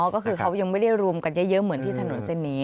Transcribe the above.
ก็คือเขายังไม่ได้รวมกันเยอะเหมือนที่ถนนเส้นนี้